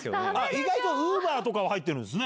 意外とウーバーとかは入ってるんですね。